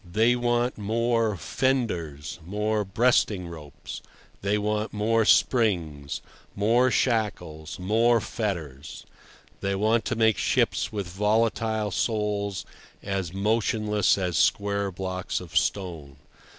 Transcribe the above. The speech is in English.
They want more fenders, more breasting ropes; they want more springs, more shackles, more fetters; they want to make ships with volatile souls as motionless as square blocks of stone.